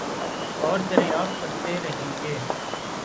اوردریافت کرتے رہیں گے